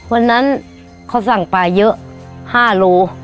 วันนั้นเขาสั่งปลาเยอะ๕โล